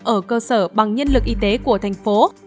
ở cơ sở bằng nhân lực y tế của thành phố